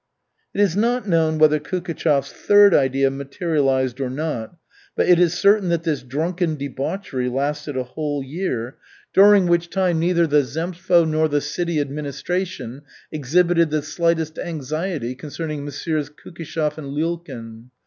It is not known whether Kukishev's third idea materialized or not, but it is certain that this drunken debauchery lasted a whole year, during which time neither the zemstvo nor the city administration exhibited the slightest anxiety concerning Messrs. Kukishev and Lyulkin.